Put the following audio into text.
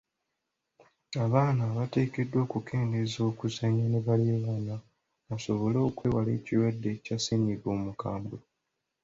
Abaana bateekeddwa okukendeeze okuzannya ne baliraanwa basobole okwewala ekirwadde kya ssennyiga omukambwe.